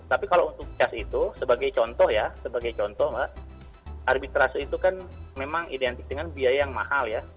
tapi kalau untuk cas itu sebagai contoh ya sebagai contoh mbak arbitrase itu kan memang identik dengan biaya yang mahal ya